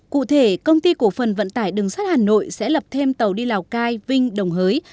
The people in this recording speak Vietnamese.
cụ thể công ty cổ phần vận tải đường sắt hà nội sẽ lập thêm tàu đi lào cai vinh đồng hới